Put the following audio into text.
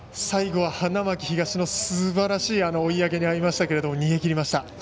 最後は花巻東のすばらしい追い上げにあいましたけど逃げきりました。